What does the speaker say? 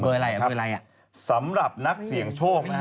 เบอร์อะไรสำหรับนักเสียงโชค